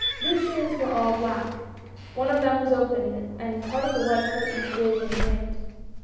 Luciane's were all black ; one of them was open and part of the white curtain was waving in the wind.